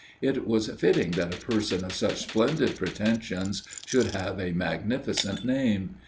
It was fitting that a person of such splendid pretensions should have a magnificent name.